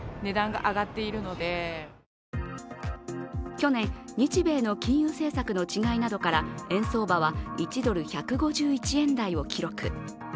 去年、日米の金融政策の違いなどから円相場は１ドル＝１５１円台を記録。